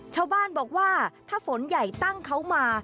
ชาวบ้านบอกว่าถ้าฝนใหญ่ตั้งเขามา